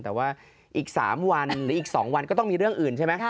แต่ว่าอีก๓วันหรืออีก๒วันก็ต้องมีเรื่องอื่นใช่ไหม